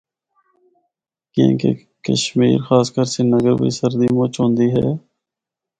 کیانکہ کشمیر خاص کر سرینگر بچ سردی مُچ ہوندی اے۔